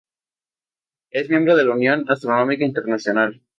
Es miembro de la Unión Astronómica Internacional.